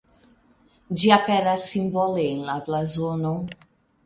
Ĝi aperas simbole en la blazono.